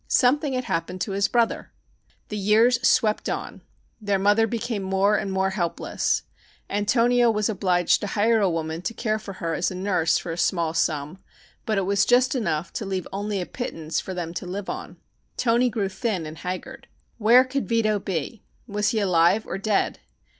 Something had happened to his brother! The years swept on. Their mother became more and more helpless. Antonio was obliged to hire a woman to care for her as nurse for a small sum, but it was just enough to leave only a pittance for them to live on. Toni grew thin and haggard. Where could Vito be? Was he alive or dead?